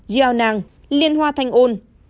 giao nang liên hoa thanh ôn